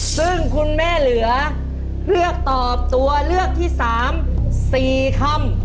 ซึ่งคุณแม่เหลือเลือกตอบตัวเลือกที่๓๔คำ